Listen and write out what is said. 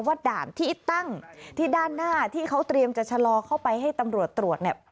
ว่าด่านที่ตั้งที่ด้านหน้าที่เขาเตรียมจะชะลอเข้าไปให้ตำรวจตรวจเนี่ย